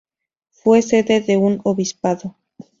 Fue sede de un obispado.